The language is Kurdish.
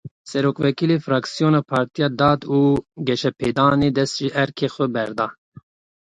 Serokwekîlê Firaksiyona Partiya Dad û Geşepêdanê dest ji erkê xwe berda.